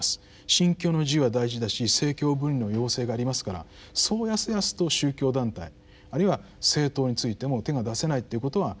「信教の自由」は大事だし政教分離の要請がありますからそうやすやすと宗教団体あるいは政党についても手が出せないということは分かります。